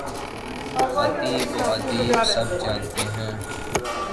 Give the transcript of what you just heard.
خطیب و ادیب سب جانتے ہیں۔